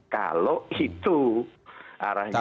kalau itu arahnya ke sana